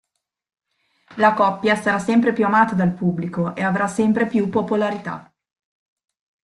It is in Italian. La coppia sarà sempre più amata dal pubblico ed avrà sempre più popolarità.